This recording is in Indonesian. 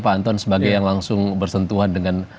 pak anton sebagai yang langsung bersentuhan dengan